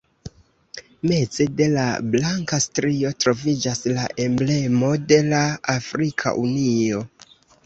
Meze de la blanka strio troviĝas la Emblemo de la Afrika Unio.